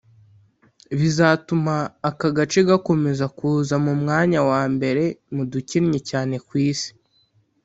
bizatuma aka gace gakomeza kuza ku mwanya wa mbere mu dukennye cyane ku isi